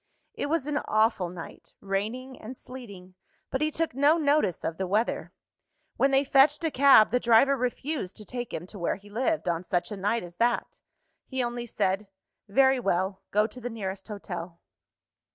It was an awful night, raining and sleeting but he took no notice of the weather. When they fetched a cab, the driver refused to take him to where he lived, on such a night as that. He only said, "Very well; go to the nearest hotel."